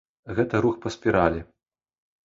Гэта рух па спіралі.